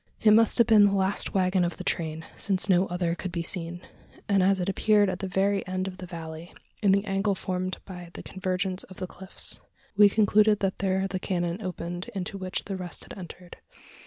It must have been the last waggon of the train: since no other could be seen; and as it appeared at the very end of the valley in the angle formed by the convergence of the cliffs we concluded that there the canon opened into which the rest had entered.